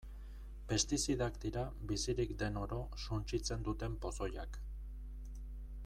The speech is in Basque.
Pestizidak dira bizirik den oro suntsitzen duten pozoiak.